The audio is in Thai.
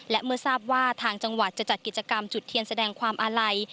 และเมื่อทราบว่าทางจังหวัดจะจัดกิจกรรมจุดเทียนแสดงความอาลัย